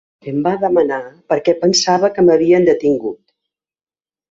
Em va demanar per què pensava que m’havien detingut.